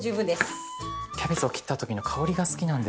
キャベツを切ったときの香りが好きなんですよ。